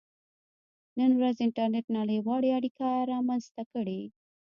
• نن ورځ انټرنېټ نړیوالې اړیکې رامنځته کړې.